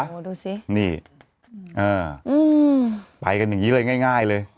โอ้โหดูสินี่ไปกันอย่างนี้เลยง่ายเลย